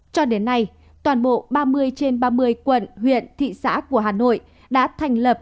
cho đến nay toàn bộ ba mươi trên ba mươi quận huyện thị xã của hà nội đã thành lập